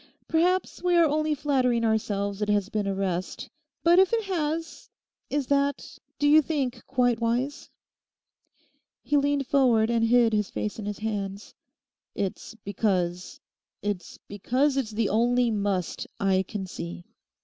Perhaps we are only flattering ourselves it has been a rest. But if it has—is that, do you think, quite wise?' He leant forward and hid his face in his hands. 'It's because—it's because it's the only "must" I can see.